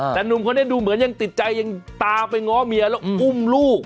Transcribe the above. แต่หนุ่มคนนี้ดูเหมือนยังติดใจยังตามไปง้อเมียแล้วอุ้มลูก